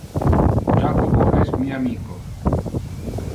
Jacobo es mi amico.